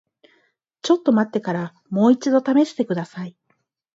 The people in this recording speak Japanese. ちょっと待ってからもう一度試してください。